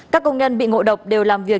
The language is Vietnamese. các công nhân bị ngộ độc đều làm việc